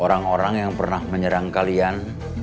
orang orang yang pernah menyerang kalian